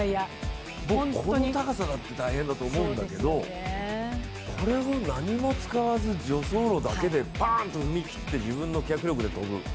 この高さだって大変だと思うんだけどこれを、何も使わず、助走路だけで踏み切って自分の脚力でとぶ。